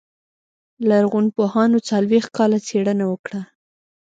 لرغونپوهانو څلوېښت کاله څېړنه وکړه.